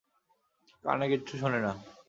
কানে কিচ্ছু শোনে না।